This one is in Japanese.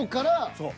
そう。